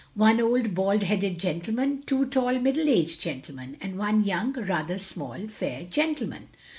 One old bald headed gentleman, two tall middle aged gentlemen, and one young, rather small, fair gentleman.